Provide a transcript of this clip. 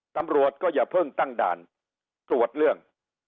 ตำรวจก็อย่าเพิ่งตั้งด่านตรวจเรื่อง